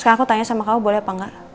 sekarang aku tanya sama kamu boleh apa enggak